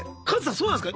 そうなんすか？